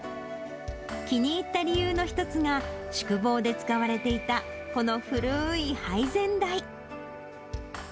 気に入った理由の一つが、宿坊で使われていた、このふるーい配膳台。